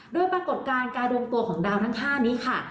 โดยปรากฏการณ์การรวมตัวของดาวทั้ง๕นี้ค่ะ